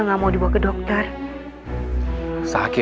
saya nyari dia karma kurang luar tangi